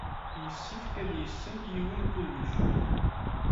Yessefk ad yessen yiwen kullec.